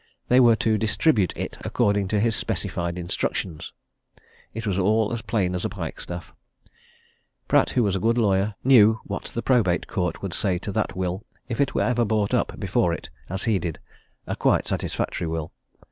They were to distribute it according to his specified instructions. It was all as plain as a pikestaff. Pratt, who was a good lawyer, knew what the Probate Court would say to that will if it were ever brought up before it, as he did, a quite satisfactory will.